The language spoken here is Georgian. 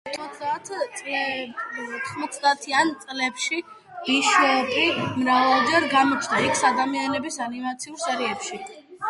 ოთხმოცდაათიან წლებში ბიშოპი მრავალჯერ გამოჩნდა იქს-ადამიანების ანიმაციურ სერიებში.